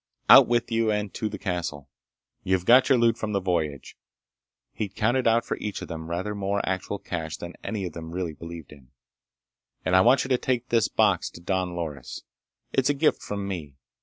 "Out with you and to the castle. You've got your loot from the voyage"—he'd counted out for each of them rather more actual cash than any of them really believed in—"and I want you to take this box to Don Loris. It's a gift from me.